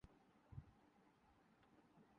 مثالیں باآسانی پیش کی جا سکتی ہیں